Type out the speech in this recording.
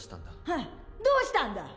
ハッどうしたんだ？